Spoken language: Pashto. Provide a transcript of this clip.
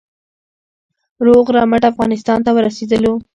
روغ رمټ افغانستان ته ورسېدلو.